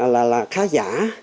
là khá giả